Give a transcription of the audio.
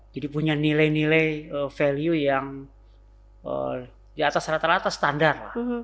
jadi punya nilai nilai value yang diatas rata rata standar